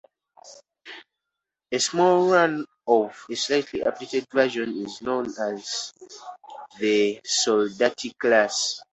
A small run of a slightly updated version is known as the Soldati class.